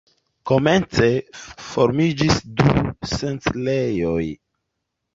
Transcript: Komence formiĝis du setlejoj.